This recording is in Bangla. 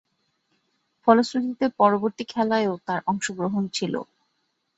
ফলশ্রুতিতে পরবর্তী খেলায়ও তার অংশগ্রহণ ছিল।